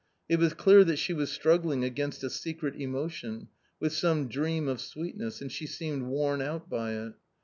It was clear that she was struggling against a secret emotion, with some dream of sweetness, and she seemed worn out by it.